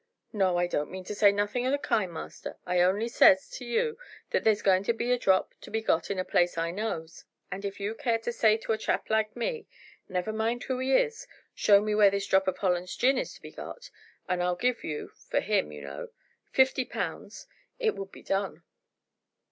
"No, I don't mean to say nothing o' the kind, master. I only says to you that there's going to be a drop to be got in a place I knows, and if you care to say to a chap like me never you mind who he is show me where this drop of Hollands gin is to be got, and I'll give you for him, you know fifty pounds, it would be done."